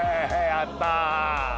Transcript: やったー。